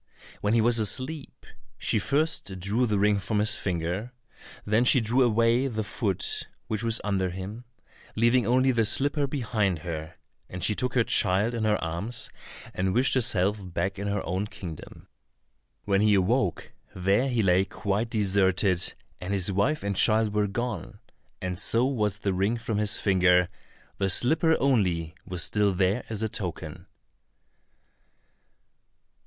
When he was asleep, she first drew the ring from his finger, then she drew away the foot which was under him, leaving only the slipper behind her, and she took her child in her arms, and wished herself back in her own kingdom. When he awoke, there he lay quite deserted, and his wife and child were gone, and so was the ring from his finger, the slipper only was still there as a token.